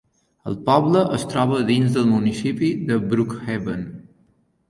El poble es troba dins del municipi de Brookhaven.